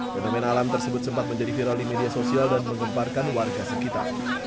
fenomena alam tersebut sempat menjadi viral di media sosial dan menggemparkan warga sekitar